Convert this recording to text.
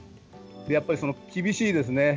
やっぱりその厳しいですね